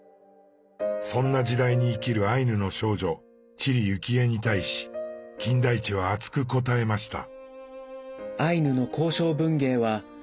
そんな時代に生きるアイヌの少女知里幸恵に対し金田一は熱く答えました。